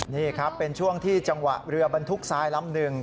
นี่ครับเป็นช่วงที่จังหวะเรือบรรทุกทรายลำหนึ่ง